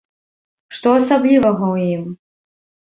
Што асаблівага ў ім?